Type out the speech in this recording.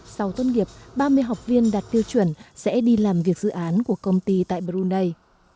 sau tuân nghiệp ba mươi học viên đạt tiêu chuẩn sẽ đi làm việc dự án của công ty tại brunei